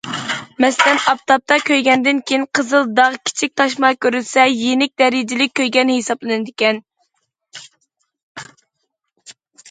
مەسىلەن، ئاپتاپتا كۆيگەندىن كېيىن، قىزىل داغ، كىچىك تاشما كۆرۈلسە، يېنىك دەرىجىلىك كۆيگەن ھېسابلىنىدىكەن.